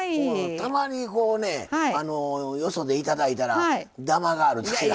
たまにこうねよそで頂いたらダマがあるときがあってね。